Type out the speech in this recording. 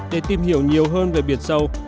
để tìm hiểu nhiều hơn về biển sâu